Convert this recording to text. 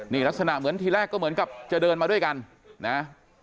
นี่ลักษณะเหมือนทีแรกก็เหมือนกับจะเดินมาด้วยกันนะ